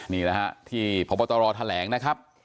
นี่แหละฮะที่พบตรแถลงนะครับ